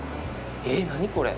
えっ、何これ？